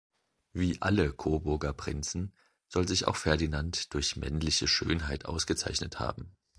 Wie alle Coburger Prinzen soll sich auch Ferdinand durch männliche Schönheit ausgezeichnet haben.